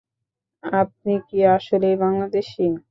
আপনি কি আসলেই বাংলাদেশি?